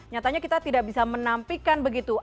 nyatanya kita tidak bisa menampikan begitu